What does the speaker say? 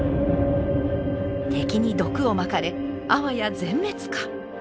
敵に毒をまかれあわや全滅か！？